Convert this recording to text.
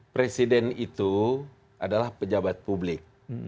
presiden itu adalah pejabat publik